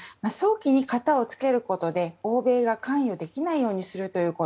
早期に片を付けることで欧米が関与できないようにする。